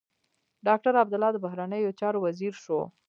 ډاکټر عبدالله د بهرنيو چارو وزیر شو.